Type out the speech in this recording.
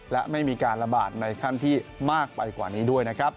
และไม่มีการระบาดในขั้นที่มากไปกว่านี้ด้วยนะครับ